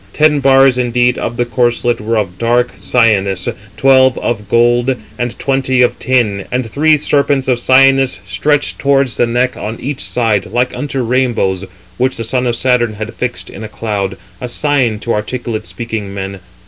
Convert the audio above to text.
Ten bars indeed [of the corslet] were of dark cyanus 361, twelve of gold, and twenty of tin; and three serpents of cyanus stretched towards the neck on each side, like unto rainbows, which the son of Saturn hath fixed in a cloud 362, a sign to articulate speaking men.